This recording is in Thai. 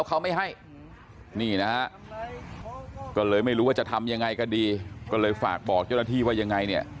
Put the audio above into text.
ว่าเขาจะทำอะไรก็ดีก็เลยฝากบอกยศตรีว่ายังไง